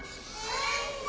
やった！